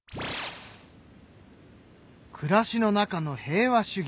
暮らしの中の平和主義